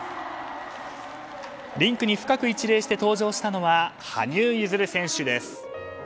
リンクに深く一礼して登場したのは羽生結弦選手です。